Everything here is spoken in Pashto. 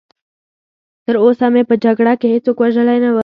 تراوسه مې په دې جګړه کې هېڅوک وژلی نه و.